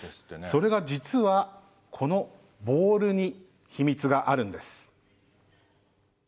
それが実はこのボールに秘密があるんです。